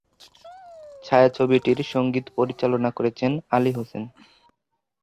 ছায়াছবিটির সঙ্গীত পরিচালনা করেছেন আলী হোসেন।